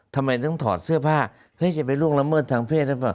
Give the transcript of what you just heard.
ทำไมต้องถอดเสื้อผ้าท่าเด็กจะไปล่วงละเมิดทางเพศ